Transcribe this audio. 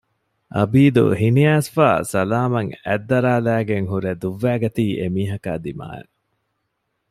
އަބީދު ހިނިއައިސްފައި ސަލާމަށް އަތްދަރާލައިގެން ހުރެ ދުއްވައިގަތީ އެމީހަކާ ދިމާޔަށް